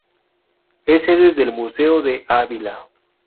Es sede del Museo de Ávila.